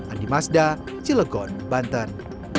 andi masda cilegon banten